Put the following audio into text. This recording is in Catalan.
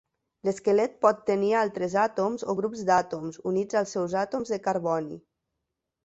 L'esquelet pot tenir altres àtoms o grups d'àtoms, units als seus àtoms de carboni.